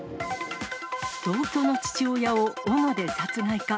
同居の父親をおので殺害か。